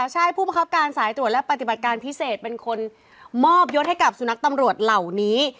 ใช่ผู้บังคับการสายตรวจและปฏิบัติการพิเศษเป็นคนมอบยศให้กับสุนัขตำรวจเหล่านี้